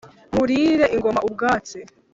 nkurire ingoma ubwatsi